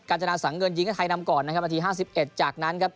กาจนาสังเงินยิงกับไทยนำก่อนนะครับนาที๕๑จากนั้นครับ